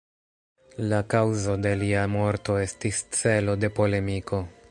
La kaŭzo de lia morto estis celo de polemiko.